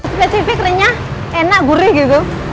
spesifik renyah enak gurih gitu